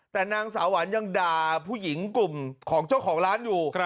แต่นางสาวหวานยังด่าผู้หญิงกลุ่มของเจ้าของร้านอยู่